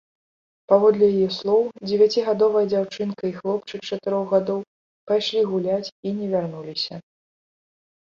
Паводле яе слоў, дзевяцігадовая дзяўчынка і хлопчык чатырох гадоў пайшлі гуляць і не вярнуліся.